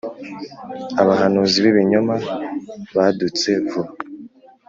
Abahanuzi bibinyoma badutse vuba.